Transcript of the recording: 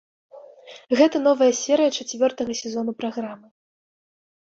Гэта новая серыя чацвёртага сезону праграмы.